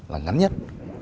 là ngắn nhất